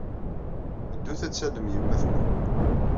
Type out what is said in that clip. Ddut ad tallem yemma-twen.